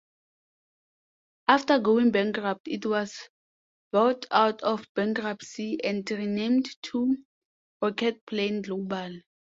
After going bankrupt, it was bought out of bankruptcy, and renamed to Rocketplane Global.